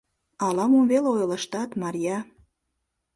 — Ала-мом веле ойлыштат, Марья.